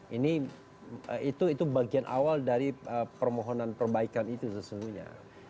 ini itu bagian awal dari permohonan perbaikan itu sesungguhnya